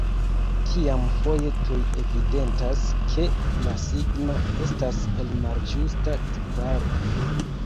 Tiam foje tuj evidentas, ke la signo estas el malĝusta tiparo.